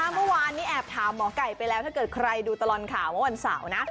เมื่อวานนี้แอบถามหมอไก่ไปแล้วถ้าเกิดใครดูตลอดข่าวเมื่อวันเสาร์นะ